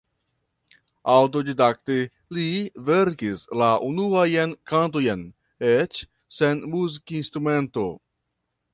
Aŭtodidakte li verkis la unuajn kantojn, eĉ sen muzikinstrumento.